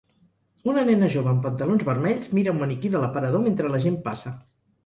Una nena jove amb pantalons vermells mira un maniquí de l'aparador mentre la gent passa